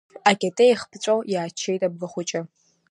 Акьатеиах ԥҵәо иааччеит Абгахәыҷы.